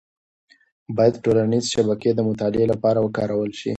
باید ټولنیز شبکې د مطالعې لپاره وکارول شي.